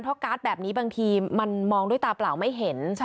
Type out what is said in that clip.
เพราะการ์ดแบบนี้บางทีมันมองด้วยตาเปล่าไม่เห็น